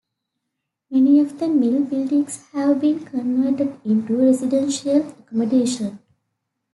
Many of the mill buildings have been converted into residential accommodation.